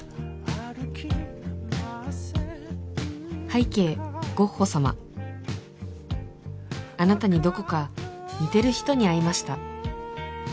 拝啓ゴッホ様あなたにどこか似てる人に会いました